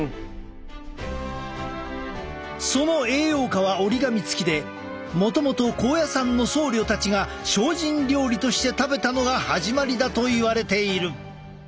その栄養価は折り紙付きでもともと高野山の僧侶たちが精進料理として食べたのが始まりだといわれている。